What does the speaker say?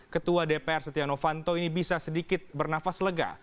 ketua dpr setia novanto ini bisa sedikit bernafas lega